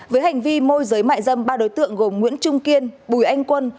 với hành vi môi giới mại dâm ba đối tượng gồm nguyễn trung kiên bùi anh quân